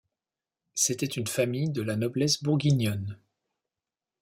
C'était une famille de la noblesse bourguignonne.